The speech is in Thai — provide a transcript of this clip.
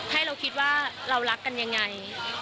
ให้เราคิดว่าเรารักกันยังไง